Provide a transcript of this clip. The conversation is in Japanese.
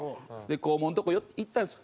校門のとこ行ったんです。